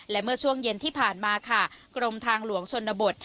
และเมื่อช่วงเย็นที่ผ่านมาค่ะกรมทางหลวงชนบท